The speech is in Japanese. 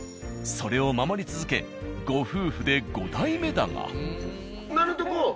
それを守り続けご夫婦で５代目だが。